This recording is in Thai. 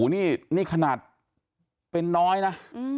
นี่ขนาดเป็นน้อยนะ